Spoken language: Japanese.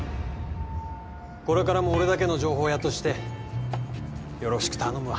これからも俺だけの情報屋としてよろしく頼むわ。